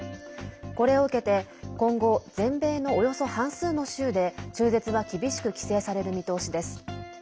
これを受けて今後、全米のおよそ半数の州で中絶は厳しく規制される見通しです。